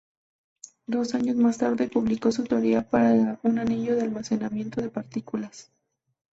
Dos años más tarde, publicó su teoría para un anillo de almacenamiento de partículas.